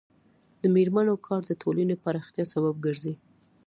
د میرمنو کار د ټولنې پراختیا سبب ګرځي.